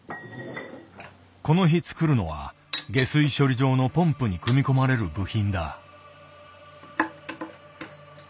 この日作るのは下水処理場のポンプに組み込まれる部品だ。